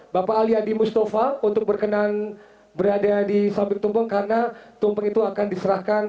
bapak ali adi mustafa untuk berkenan berada di samping tumpeng karena tumpeng itu akan diserahkan